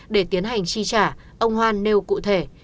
để tiến hành chi trả ông hoan nêu cụ thể